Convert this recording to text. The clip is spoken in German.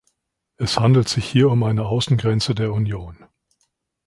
Es handelt sich hier um eine Außengrenze der Union.